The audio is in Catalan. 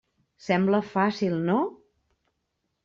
Sembla fàcil, no?